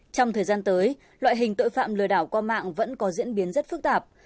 trong thời gian tới loại hình tội phạm lừa đảo qua mạng vẫn có diễn biến rất phức tạp